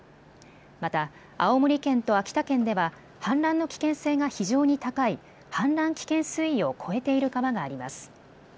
また青森県と秋田県では氾濫の危険性が非常に高い氾濫危険水位を超えている川があります。